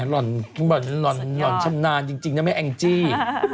ล่อนล่อนห์ฉำนานจริงนะแม่แอ้งจี้